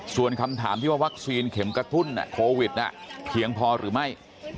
ส่วนคำถามที่ว่าวัคซีนเข็มกระตุ้นโควิดเพียงพอหรือไม่